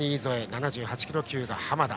７８キロ級が濱田。